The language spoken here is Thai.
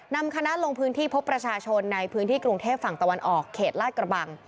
นำคณะลงพื้นที่พบประชาชนในพื้นที่กรุงเทพฝั่งตะวันออกเขตลาดกระบัง